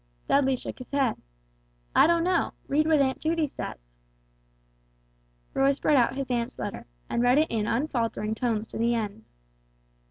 Dudley shook his head. "I don't know, read what Aunt Judy says." Roy spread out his aunt's letter, and read it in unfaltering tones to the end.